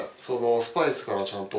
スパイスからちゃんと。